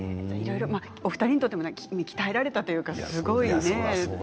お二人にとっても鍛えられたというかね。